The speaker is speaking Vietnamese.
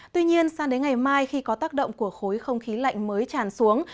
tuy nhiên sang đến ngày mai khi có tác động của khối không khí lạnh mới tràn xuống